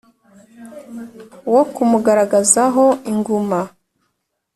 Wo kumugaragaza ho inguma